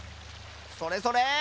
それそれ！